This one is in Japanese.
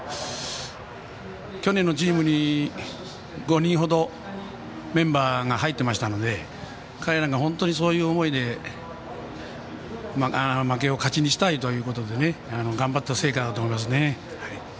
去年のチームに５人ほどメンバーが入っていましたので彼らが本当にそういう思いで負けを勝ちにしたいということで頑張った成果だと思いますね。